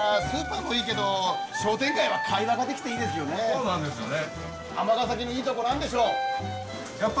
そうなんですよね。